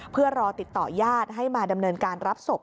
เพื่อรอติดต่อญาติให้มาดำเนินการรับศพ